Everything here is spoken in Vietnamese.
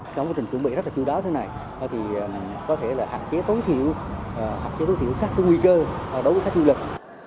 trong quá trình chuẩn bị rất là chú đáo thế này có thể hạn chế tối thiểu các nguy cơ đối với các du lịch